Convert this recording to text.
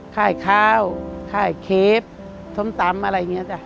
ค่ายข้าวค่ายเคฟส้มตำอะไรอย่างนี้จ้ะ